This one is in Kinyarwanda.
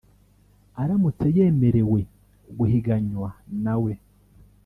aramutse yemerewe guhiganywa na we